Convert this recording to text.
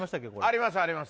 ありますあります